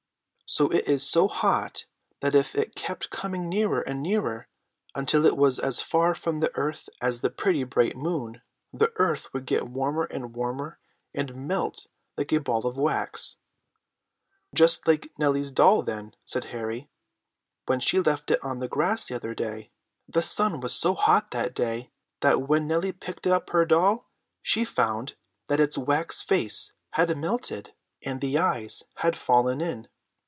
"It is so hot that if it kept coming nearer and nearer until it was as far from the earth as the pretty bright moon, the earth would get warmer and warmer and melt like a ball of wax." "Just like Nellie's doll, then," said Harry, "when she left it on the grass the other day. The sun was so hot that day that when Nellie picked up her doll, she found that its wax face had melted and the eyes had fallen in.